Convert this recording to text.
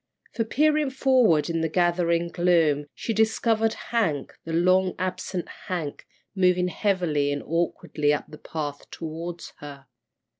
For peering forward in the gathering gloom, she discovered Hank, the long absent Hank, moving heavily and awkwardly up the path toward her.